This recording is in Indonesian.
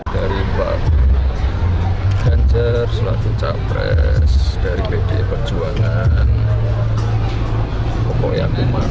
dari pak ganjar selalu capres dari pdip perjuangan pokok yang memanuhi